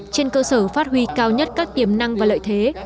trên cơ sở phát huy cao nhất các tiềm năng và lợi thế